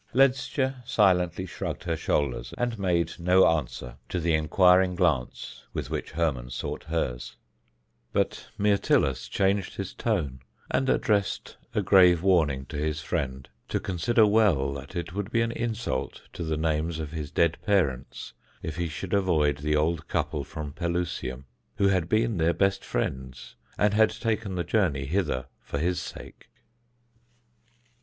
Ledscha silently shrugged her shoulders and made no answer to the inquiring glance with which Hermon sought hers, but Myrtilus changed his tone and addressed a grave warning to his friend to consider well that it would be an insult to the manes of his dead parents if he should avoid the old couple from Pelusium, who had been their best friends and had taken the journey hither for his sake.